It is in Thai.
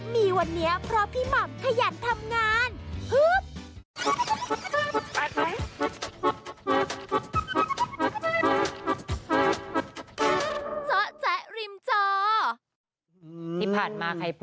มีวันนี้เพราะพี่หม่ำขยันทำงาน